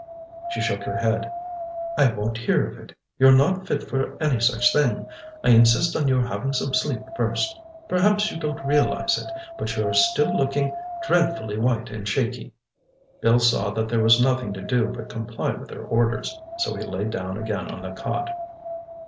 She shook her head. "I won't hear of it. You're not fit for any such thing. I insist on your having some sleep first. Perhaps you don't realize it, but you're still looking dreadfully white and shaky." Bill saw that there was nothing to do but comply with her orders, so he lay down again on the cot.